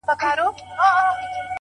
نظم د بریالیتوب خاموش راز دی؛